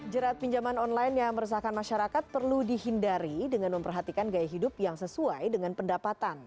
jerat pinjaman online yang meresahkan masyarakat perlu dihindari dengan memperhatikan gaya hidup yang sesuai dengan pendapatan